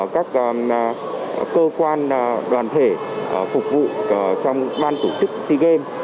các cơ quan đoàn thể phục vụ trong ban tổ chức sea games